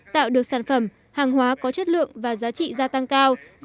tạo được sản phẩm hàng hóa có chất lượng và giá trị gia tăng cao